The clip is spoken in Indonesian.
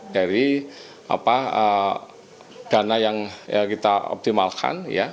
dari dana yang kita optimalkan